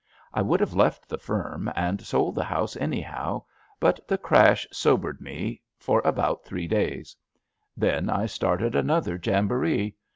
I would have left the firm and sold the house, anyhow, but the crash sobered HER LITTLE RESPONSIBILITY 19 me for about three days. Then I started another jamboree.